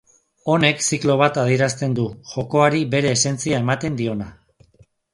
Honek ziklo bat adierazten du, jokoari bere esentzia ematen diona.